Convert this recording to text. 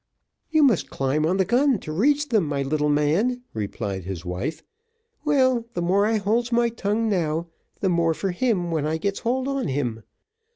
"You must climb on the gun to reach them, my little man," replied his wife. "Well, the more I holds my tongue now, the more for him when I gets hold on him.